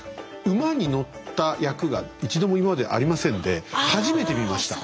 馬に乗った役が一度も今までありませんで初めて見ました。